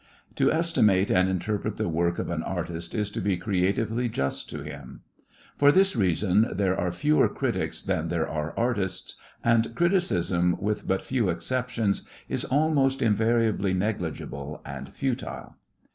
To estimate and interpret the work of an artist is to be creatively just to him. For this reason there are fewer critics than there are artists, and criticism with but few exceptions is almost invariably negligible and futile.